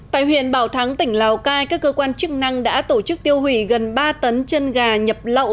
tại huyện bảo thắng tỉnh lào cai các cơ quan chức năng đã tổ chức tiêu hủy gần ba tấn chân gà nhập lậu